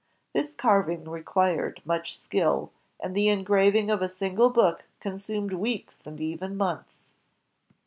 This carving required much skill, and the engraving of a single book consumed weeks and even months.